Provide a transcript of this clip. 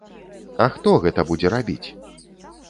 А хто гэта будзе рабіць?